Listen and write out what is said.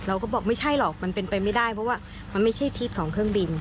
เราก็บอกไม่ใช่หรอกมันเป็นไปไม่ได้เพราะว่ามันไม่ใช่ทิศของเครื่องบิน